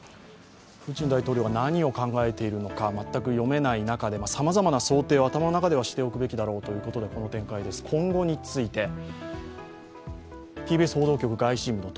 プーチン大統領が何を考えているのか全く読めない中でさまざまな想定を頭の中ではしておくべきだろうということでこの展開です、今後について。